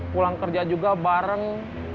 pulang kerja juga bareng